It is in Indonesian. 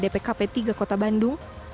pkp tiga kota bandung